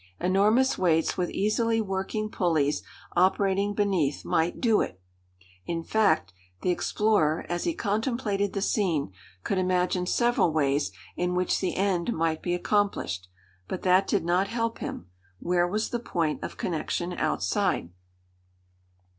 Enormous weights with easily working pulleys operating beneath might do it. In fact, the explorer as he contemplated the scene could imagine several ways in which the end might be accomplished. But that did not help him. Where was the point of connection outside?